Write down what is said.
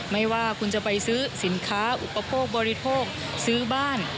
ไม่ว่าคุณจะไปซื้อสินค้าอุปโภคบริโภคซื้อบ้าน